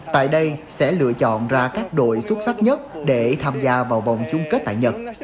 tại đây sẽ lựa chọn ra các đội xuất sắc nhất để tham gia vào vòng chung kết tại nhật